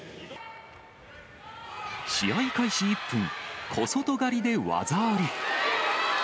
試合開始１分、小外刈りで技あり。